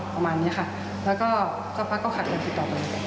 ประมาณนี้ค่ะแล้วก็สักพักก็ขาดเงินติดต่อไป